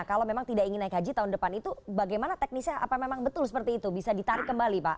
kalau memang tidak ingin naik haji tahun depan itu bagaimana teknisnya apa memang betul seperti itu bisa ditarik kembali pak